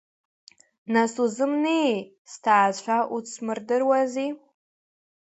Нас узымнеии, сҭаацәа удсмырдыруази!